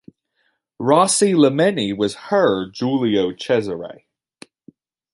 Rossi-Lemeni was her Giulio Cesare.